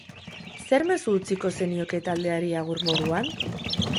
Zer mezu utziko zenioke taldeari agur moduan?